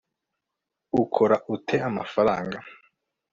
ukora ute amafaranga